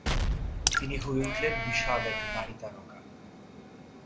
তিনি হয়ে উঠলেন বিশাল এক নারী তারকা।